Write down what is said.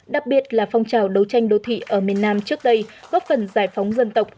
đặc biệt là phong trào đấu tranh đô thị ở miền nam trước đây góp phần giải phóng dân tộc